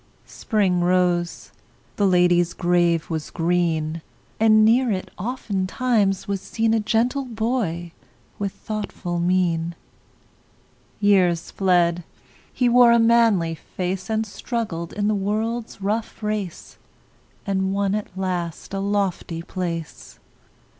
Spring rose; the lady's grave was green; And near it, oftentimes, was seen A gentle boy with thoughtful mien. Years fled; he wore a manly face, And struggled in the world's rough race, And won at last a lofty place.